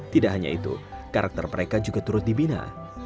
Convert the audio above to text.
tidak hanya itu karakter mereka juga turut dibina